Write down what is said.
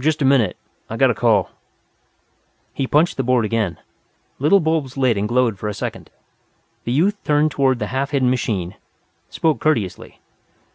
"Just a minute. I've got a call." He punched the board again. Little bulbs lit and glowed for a second. The youth turned toward the half hidden machine, spoke courteously.